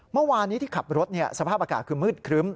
เมื่อวานนี้ที่ขับรถสภาพอากาศคือมืดครึ้ม